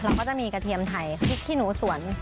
เราก็จะมีกระเทียมไทยพริกขี้หนูสวน